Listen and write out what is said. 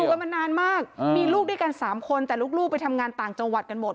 กันมานานมากมีลูกด้วยกัน๓คนแต่ลูกไปทำงานต่างจังหวัดกันหมด